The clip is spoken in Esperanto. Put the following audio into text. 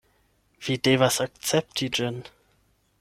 Vi devas akcepti ĝin.